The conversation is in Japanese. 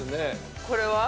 ◆これは？